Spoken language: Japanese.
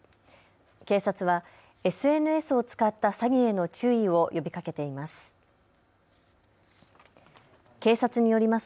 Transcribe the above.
警察はＳＮＳを使った詐欺への注意を呼びかけています。